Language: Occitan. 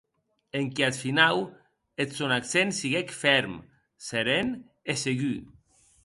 Enquiath finau eth sòn accent siguec fèrm, seren e segur.